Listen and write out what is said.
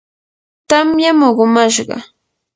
tamyam uqumashqa.